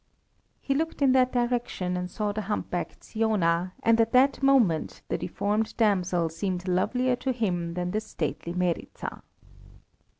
He looked in that direction and saw the humpbacked Siona, and at that moment the deformed damsel seemed lovelier to him than the stately Meryza.